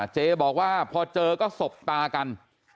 เจบอกว่าเพราะเจอก็ศพตากัน